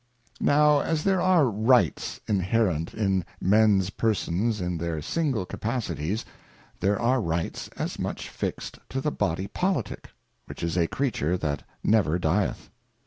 Now as there are Rights inherent in Mens persons in their single capacities, there are Rights as much fixed to the Body Politick, which is a Creature that never dieth.